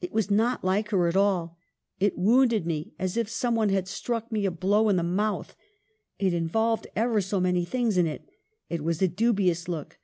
It was not like her at all. It wounded me, as if some one had struck me a blow in the mouth. It involved ever so many things in it. It was a dubious look.